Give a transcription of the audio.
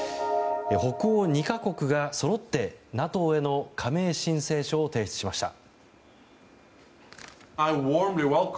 北欧２か国がそろってＮＡＴＯへの加盟申請書を提出しました。